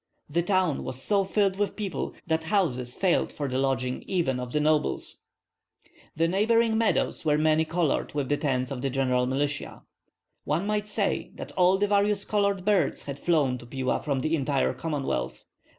The town was so filled with people that houses failed for the lodging even of nobles. The neighboring meadows were many colored with the tents of the general militia. One might say that all the various colored birds had flown to Pila from the entire Commonwealth.